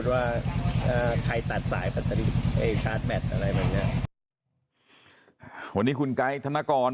วันนี้คุณไกด์ธนกร